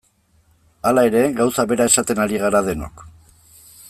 Hala ere, gauza bera esaten ari gara denok.